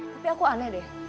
tapi aku aneh deh